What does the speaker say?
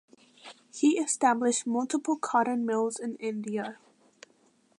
He established multiple cotton mills in India.